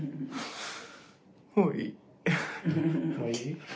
もういい？